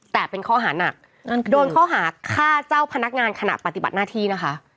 แต่เป็นข้อหานักโดนข้อหาฆ่าเจ้าพนักงานขณะปฏิบัติหน้าที่นะคะ